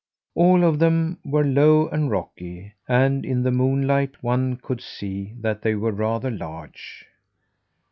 All of them were low and rocky, and in the moonlight one could see that they were rather large.